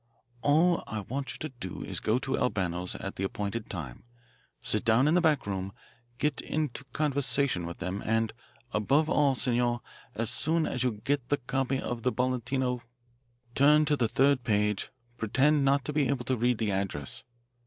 "All I want you to do is to go to Albano's at the appointed time. Sit down in the back room. Get into conversation with them, and, above all, Signor, as soon as you get the copy of the Bolletino turn to the third page, pretend not to be able to read the address.